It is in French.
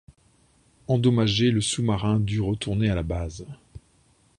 Endommagé, le sous-marin dut retourner à la base.